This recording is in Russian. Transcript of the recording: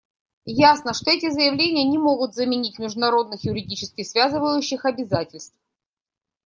Ясно, что эти заявления не могут заменить международных юридически связывающих обязательств.